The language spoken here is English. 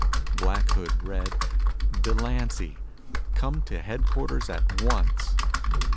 Black Hood read: "Delancy, come to headquarters at once."